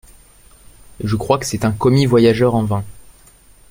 Je crois que c’est un commis voyageur en vins…